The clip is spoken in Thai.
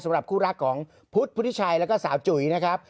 สำหรับคู่รักของพุทธพุทธิชัยแล้วก็สาวจุ๋ยนะครับ